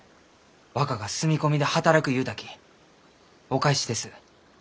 若が住み込みで働く言うたきお返しです。